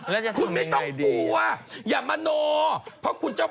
แล้วจะทำยังไงดีคุณไม่ต้องกลัว